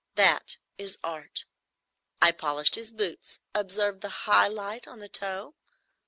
That is Art. I polished his boots,—observe the high light on the toe.